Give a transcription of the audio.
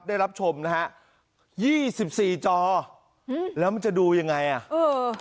ได้รับชมนะฮะยี่สิบสี่จออืมแล้วมันจะดูยังไงอ่ะเออ